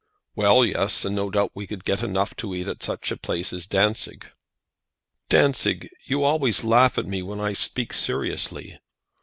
"Well, yes; and no doubt we could get enough to eat at such a place as Dantzic." "Dantzic! you always laugh at me when I speak seriously."